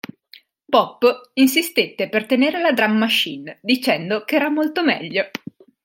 Pop insistette per tenere la drum machine, dicendo che era molto meglio.